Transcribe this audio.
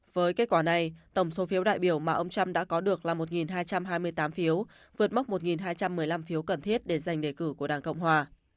với kết quả này tổng số phiếu đại biểu mà ông trump đã có được là một hai trăm hai mươi tám phiếu vượt mốc một hai trăm một mươi năm phiếu cần thiết để giành đề cử của đảng cộng hòa